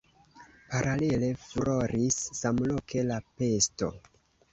Paralele furoris samloke la pesto.